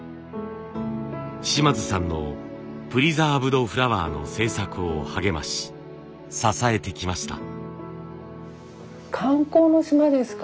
島津さんのプリザーブドフラワーの制作を励まし支えてきました。